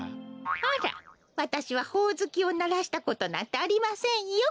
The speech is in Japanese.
あらわたしはほおずきをならしたことなんてありませんよ。